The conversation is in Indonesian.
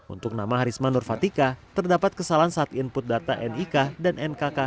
untuk nama harisma nurfatika terdapat kesalahan saat input data nik dan nkk